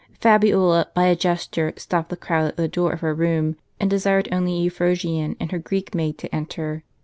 Fabiola by a gesture stopped the crowd at the door of her room, and desired only Euphrosyne and her Greek maid to enter.